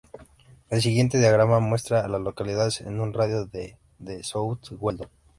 El siguiente diagrama muestra a las localidades en un radio de de South Weldon.